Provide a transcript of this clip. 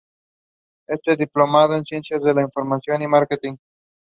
Included were two paintings about properties she had rented with her family on vacation.